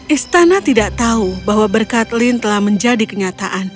istana tidak tahu bahwa berkat lin telah menjadi kenyataan